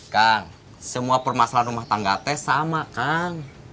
kang semua permasalahan rumah tangga t sama kan